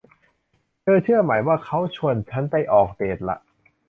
เธอเชื่อไหมว่าเค้าชวนชั้นไปออกเดทล่ะ